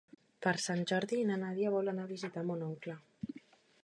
Per Sant Jordi na Nàdia vol anar a visitar mon oncle.